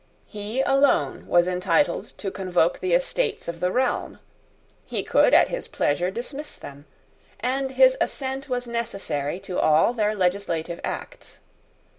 He alone was entitled to convoke the Estates of the realm: he could at his pleasure dismiss them; and his assent was necessary to all their legislative acts.